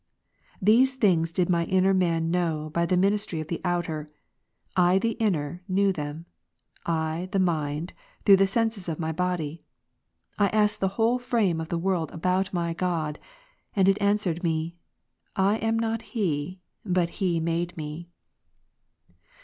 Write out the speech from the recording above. These things did my inner man know by the ministry of the outer : I the inner, knew them ; I, the mind, through the senses of my body. I asked the whole frame of the world about my God ; and it answered me, " I am not He, but He made me."